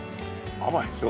甘いでしょ？